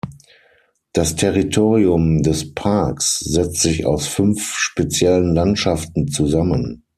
Das Territorium des Parks setzt sich aus fünf speziellen Landschaften zusammen.